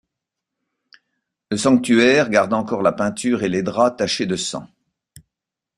Le sanctuaire garde encore la peinture et les draps tachés de sang.